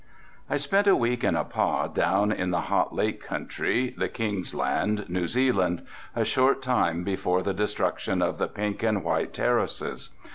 I spent a week in a pah down in the hot lake country, the King's land, New Zealand, a short time before the destruction of the Pink and White Terraces.